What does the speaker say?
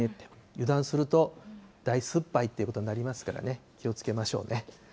油断すると、大すっぱいということになりますからね、気をつけましょうね。